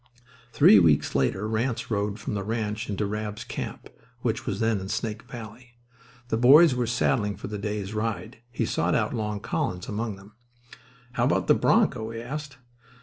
Three weeks later Ranse rode from the ranch into Rabb's camp, which was then in Snake Valley. The boys were saddling for the day's ride. He sought out Long Collins among them. "How about that bronco?" he asked.